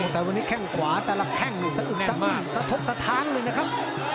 แต่วันนี้แข่งขวาแต่ละแข่งนี่สะอึดทั้งสะทบสะท้างเลยนะครับ